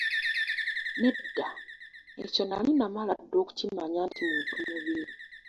Nedda, ekyo nnali namala dda okukimanya nti muntu mubi.